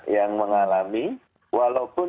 yang mengalami walaupun